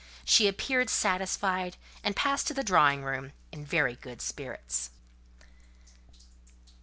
She appeared satisfied, and passed to the drawing room in very good spirits.